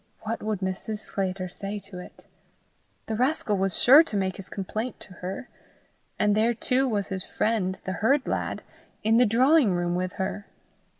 What would Mrs. Sclater say to it? The rascal was sure to make his complaint to her! And there too was his friend, the herd lad, in the drawing room with her!